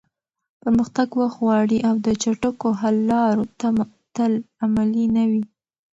پرمختګ وخت غواړي او د چټکو حل لارو تمه تل عملي نه وي.